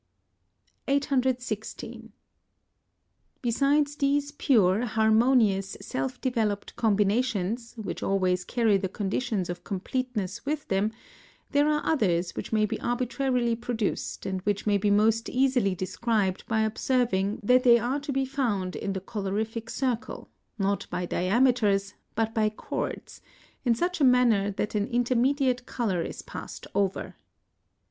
816. Besides these pure, harmonious, self developed combinations, which always carry the conditions of completeness with them, there are others which may be arbitrarily produced, and which may be most easily described by observing that they are to be found in the colorific circle, not by diameters, but by chords, in such a manner that an intermediate colour is passed over.